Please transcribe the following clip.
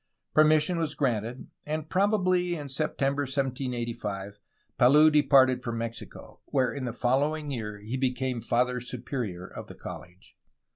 Permission was granted, and probably in September 1785 Palou de parted for Mexico, where in the following year he became Father Superior of the college.